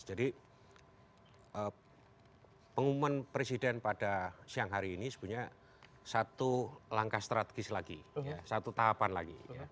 pengumuman presiden pada siang hari ini sebenarnya satu langkah strategis lagi satu tahapan lagi